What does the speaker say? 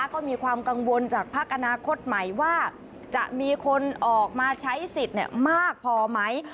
ก็มีความกังวลจากพักอนาคตใหม่ว่าจะมีคนออกมาใช้สิทธิ์มากพอไหม